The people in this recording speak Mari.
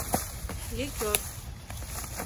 — Ликер.